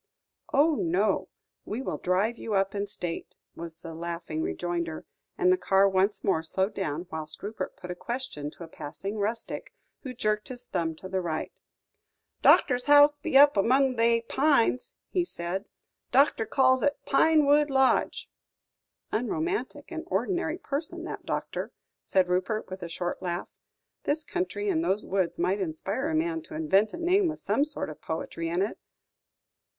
"Oh, no, we will drive you up in state," was the laughing rejoinder; and the car once more slowed down, whilst Rupert put a question to a passing rustic, who jerked his thumb to the right. "Doctor's house be up among they pines," he said; "Doctor calls 'un Pinewood Lodge." "Unromantic and ordinary person, that doctor," said Rupert, with a short laugh; "this country and those woods might inspire a man to invent a name with some sort of poetry in it.